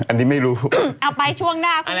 อันนี้ไม่รู้เอาไปช่วงหน้าคุณ